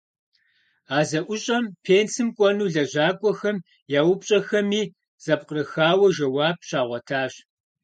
А зэӏущӏэм пенсым кӏуэну лэжьакӏуэхэм я упщӀэхэми зэпкърыхауэ жэуап щагъуэтащ.